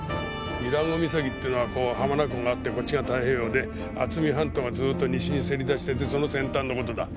伊良湖岬っていうのはこう浜名湖があってこっちが太平洋で渥美半島がずっと西にせり出しててその先端の事だ。